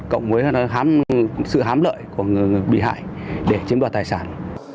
cộng với sự hám lợi của người bị hại để chiếm đoạt tài sản